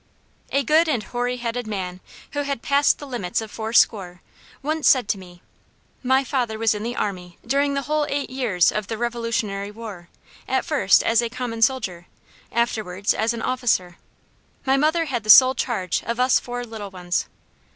A good and hoary headed man, who had passed the limits of fourscore, once said to me, "My father was in the army during the whole eight years of the Revolutionary War, at first as a common soldier, afterwards as an officer. My mother had the sole charge of us four little ones.